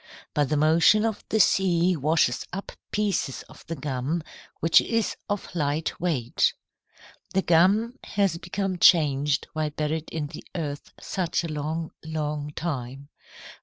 But the motion of the sea washes up pieces of the gum, which is of light weight. "The gum has become changed while buried in the earth such a long, long time.